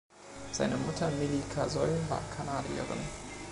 Seine Mutter Milli Kasoy war Kanadierin.